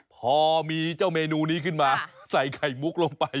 พอมีเจ้าเมนูนี้ขึ้นมาใส่ไข่มุกลงไป